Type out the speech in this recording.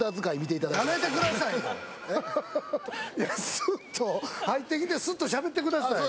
すっと入ってきてすっとしゃべってください。